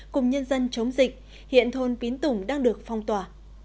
cùng nhân dân chống dịch hiện thôn pín tủng đang được phong tỏa